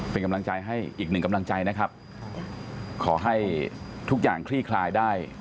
เป็นกำลังใจให้อีกหนึ่งกำลังใจนะครับขอให้ทุกอย่างคลี่คลายได้